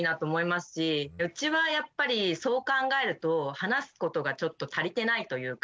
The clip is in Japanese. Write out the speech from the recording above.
うちはやっぱりそう考えると話すことがちょっと足りてないというか。